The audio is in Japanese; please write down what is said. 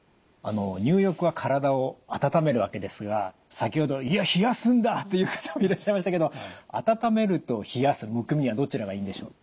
入浴は体を温めるわけですが先ほど「いや冷やすんだ！」という方もいらっしゃいましたけど温めると冷やすむくみはどちらがいいんでしょう？